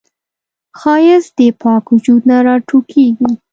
ښایست د پاک وجود نه راټوکېږي